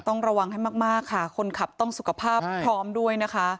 ต้องระวังให้มากค่ะคนขับต้องสุขภาพพร้อมด้วยนะคะ